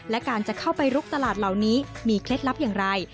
และการจะเข้าไปลุกตลาดเหล่านี้มีเคล็ดลับอย่างไร